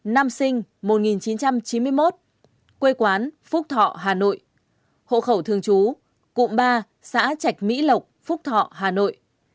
năm sinh một nghìn chín trăm chín mươi một quê quán phúc thọ hà nội hộ khẩu thường trú cụm ba xã trạch mỹ lộc phúc thọ hà nội